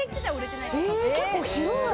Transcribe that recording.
結構、広い。